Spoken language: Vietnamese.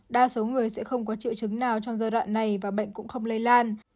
đa số người sẽ không có triệu chứng nào trong giai đoạn này và bệnh cũng không lây lan